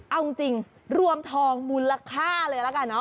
เอาจริงรวมทองมูลค่าเลยละกันเนอ